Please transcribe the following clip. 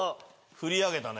振り上げたね。